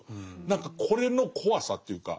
何かこれの怖さというか。